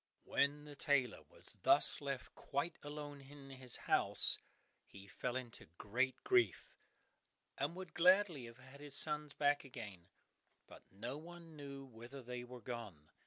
When the tailor was thus left quite alone in his house he fell into great grief, and would gladly have had his sons back again, but no one knew whither they were gone.